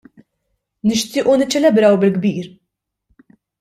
Nixtiequ niċċelebraw bil-kbir.